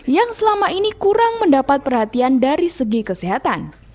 yang selama ini kurang mendapat perhatian dari segi kesehatan